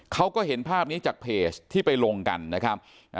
เขาก็เห็นภาพนี้จากเพจที่ไปลงกันนะครับ